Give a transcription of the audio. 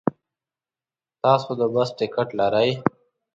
تاسو د بس ټکټ لرئ؟